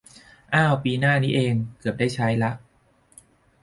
อ้าว ปีหน้านี้เอง เกือบได้ใช้ละ